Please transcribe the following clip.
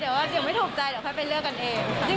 เดี๋ยวไม่ถูกใจเดี๋ยวค่อยไปเลือกกันเอง